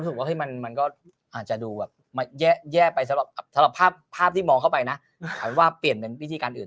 สำหรับภาพที่มองเข้าไปนะหมายความว่าเปลี่ยนเป็นวิธีการอื่น